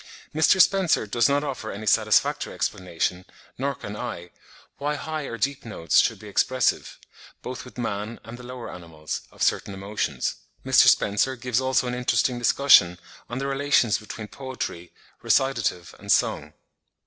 Mr. Spencer does not offer any satisfactory explanation, nor can I, why high or deep notes should be expressive, both with man and the lower animals, of certain emotions. Mr. Spencer gives also an interesting discussion on the relations between poetry, recitative and song.)